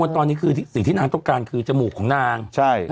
ที่นายต้องการคือจมูของนาง